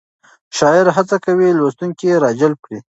شاعر هڅه کوي لوستونکی راجلب کړي.